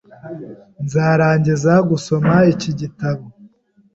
Nzarangiza gusoma iki gitabo.